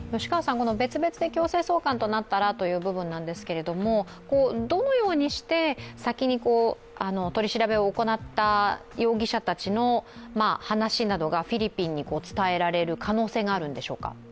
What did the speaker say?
この別々で強制送還となったらの部分なんですけどどのようにして先に取り調べを行った容疑者たちの話などがフィリピンに伝えられる可能性があるんでしょうか？